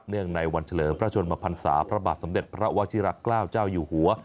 เนื่องในวันเฉลิมพระชนมพันษาพระบาทสำเร็จพระวจิรกราวเจ้าอยู่หัว